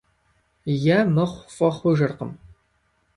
Е мыхъу фӀы хъужыркъым.